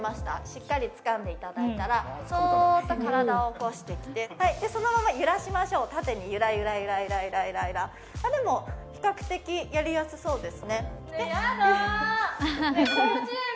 しっかりつかんでいただいたらそっと体を起こしてきてそのまま揺らしましょう縦にゆらゆらゆらゆらゆらでも比較的やりやすそうですねねえヤダ！